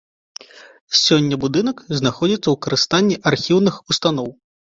Сёння будынак знаходзіцца ў карыстанні архіўных устаноў.